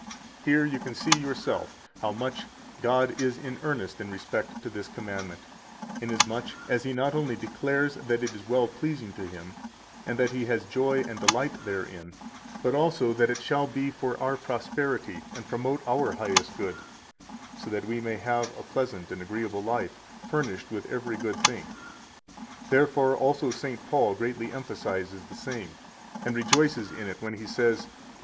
132 Here you can see yourself how much God is in earnest in respect to this commandment, inasmuch as He not only declares that it is well pleasing to Him, and that He has joy and delight therein; but also that it shall be for our prosperity and promote our highest good; so that we may have a pleasant and agreeable life, furnished with every good thing. 133 Therefore also St. Paul greatly emphasizes the same and rejoices in it when he says, Eph.